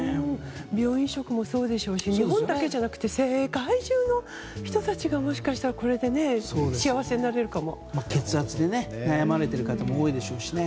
病院食もそうでしょうし日本だけじゃなくて世界中の人たちがもしかしたらこれで血圧で悩まれている方も多いでしょうしね。